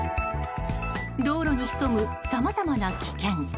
道路に潜む、さまざまな危険。